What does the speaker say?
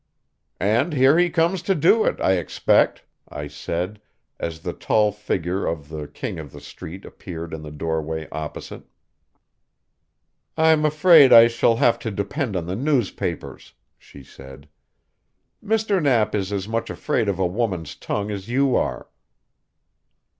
"And here he comes to do it, I expect," I said, as the tall figure of the King of the Street appeared in the doorway opposite. "I'm afraid I shall have to depend on the newspapers," she said. "Mr. Knapp is as much afraid of a woman's tongue as you are.